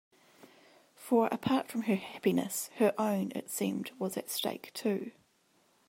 For apart from her happiness, her own, it seemed, was at stake too.